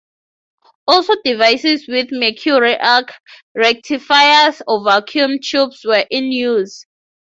Also devices with mercury arc rectifiers or vacuum tubes were in use.